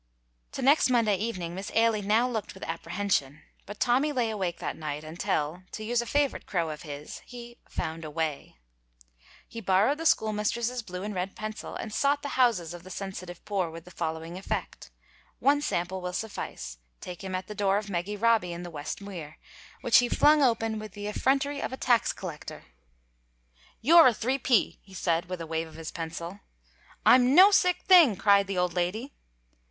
To next Monday evening Miss Ailie now looked with apprehension, but Tommy lay awake that night until, to use a favorite crow of his, he "found a way." He borrowed the school mistress's blue and red pencil and sought the houses of the sensitive poor with the following effect. One sample will suffice; take him at the door of Meggy Robbie in the West Muir, which he flung open with the effrontery of a tax collector. "You're a three P," he said, with a wave of his pencil. "I'm no sic thing!" cried the old lady.